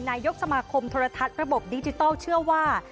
นายกสมาคมโทรทัศน์ระบบดิจิทัลเชื่อว่า